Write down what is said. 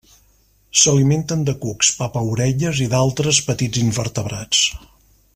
S'alimenten de cucs, papaorelles, i d'altres petits invertebrats.